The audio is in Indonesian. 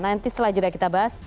nanti setelah jeda kita bahas